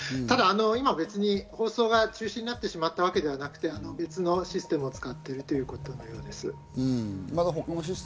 ただ今、別に放送が中止になってしまったわけではなくて、別のシステムを使っているということのようです。